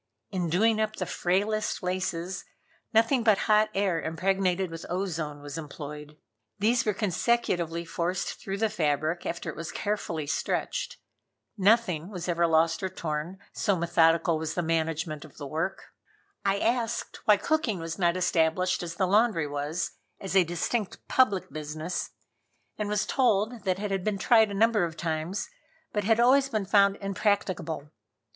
In doing up the frailest laces, nothing but hot air impregnated with ozone was employed. These were consecutively forced through the fabric after it was carefully stretched. Nothing was ever lost or torn, so methodical was the management of the work. I asked why cooking was not established as the laundry was, as a distinct public business, and was told that it had been tried a number of times, but had always been found impracticable.